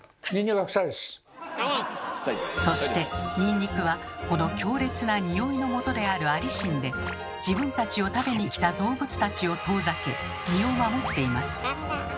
そしてニンニクはこの強烈なニオイのもとであるアリシンで自分たちを食べにきた動物たちを遠ざけ身を守っています。